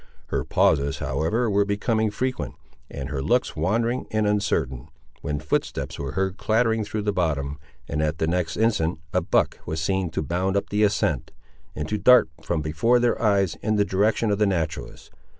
Her pauses, however, were becoming frequent, and her looks wandering and uncertain, when footsteps were heard clattering through the bottom, and at the next instant a buck was seen to bound up the ascent, and to dart from before their eyes, in the direction of the naturalist.